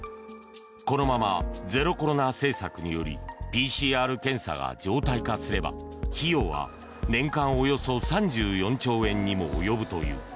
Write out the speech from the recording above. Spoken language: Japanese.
このままゼロコロナ政策によりＰＣＲ検査が常態化すれば費用は年間およそ３４兆円にも及ぶという。